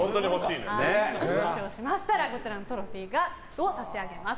優勝しましたらこちらのトロフィーを差し上げます。